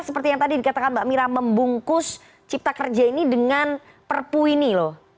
seperti yang tadi dikatakan mbak mirah membungkus ciptakerja ini dengan perpu ini loh